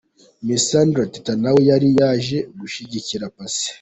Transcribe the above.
Miss Sandra Teta nawe yari yaje gushyigikira Paccy.